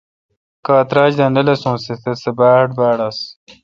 کاں تراچ دا نہ لسونس تے باڑ باڑ انس